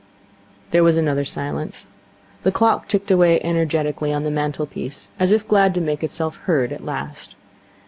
There was another silence. The clock ticked away energetically on the mantelpiece, as if glad to make itself heard at last.